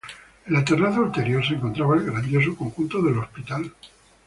En la terraza ulterior se encontraba el grandioso conjunto del hospital.